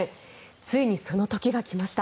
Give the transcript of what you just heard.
ついにその時が来ました。